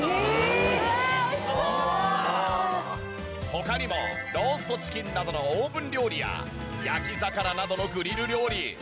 他にもローストチキンなどのオーブン料理や焼き魚などのグリル料理。